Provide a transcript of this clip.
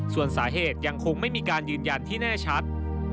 ส่วนสาเหตุยังคงไม่มีการยืนยันที่แน่ชัด